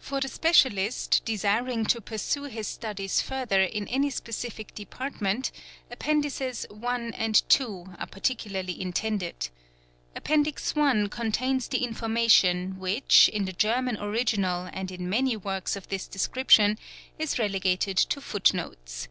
For the specialist, desiring to pursue his studies further in any specific department, Appendixes I. and II. are particularly intended. Appendix I. contains the information which, in the German original and in many works of this description, is relegated to foot notes.